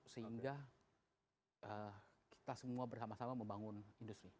sehingga kita semua bersama sama membangun industri